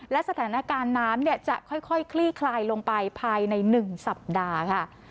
และสถานการณ์น้ำจะค่อยคลี่คลายลงไปภายใน๑สัปดาห์ค่ะ